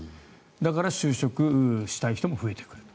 だから、就職したい人も増えてくる。